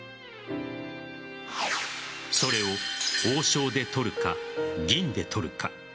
それを王将で取るか銀で取るか。